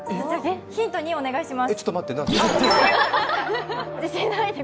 ヒント２、お願いします。